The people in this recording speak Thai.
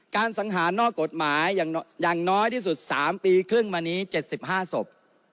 สังหารนอกกฎหมายอย่างน้อยที่สุด๓ปีครึ่งมานี้๗๕ศพ